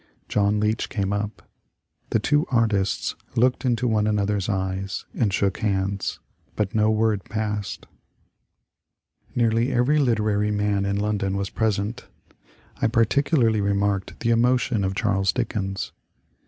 John Leech came up. The two artists looked into one another's eyes and shook hands, but no word passed. CHARLES DICKENS 7 Nearly every literary man in London was present. I par ticnlarly remarked the emotion of Charles Dickens.